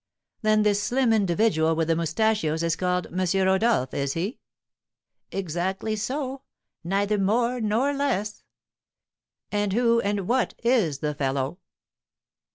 "Then this slim individual with the moustachios is called M. Rodolph, is he?" "Exactly so; neither more nor less." "And who and what is the fellow?"